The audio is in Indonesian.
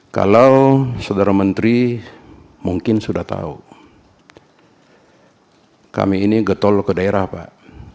kalau saudara menteri mungkin sudah tahu kami ini getol ke daerah pak